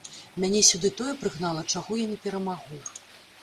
Мяне сюды тое прыгнала, чаго я не перамагу.